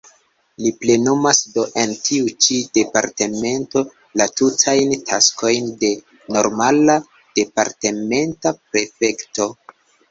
Li plenumas do en tiu ĉi departemento la tutajn taskojn de normala, departementa prefekto.